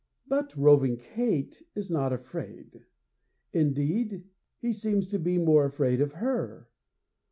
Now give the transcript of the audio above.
But Roving Kate is not afraid. Indeed, he seems to be more afraid of her.